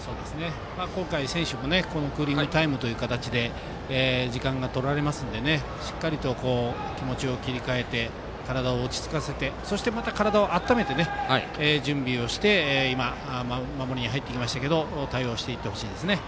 今回、選手もクーリングタイムという形で時間がとられますのでしっかりと気持ちを切り替えて体を落ち着かせてそして、また体を温めて準備をして今守りに入っていきましたけど対応していってほしいです。